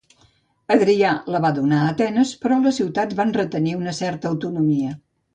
Adrià la va donar a Atenes, però les ciutats van retenir una certa autonomia.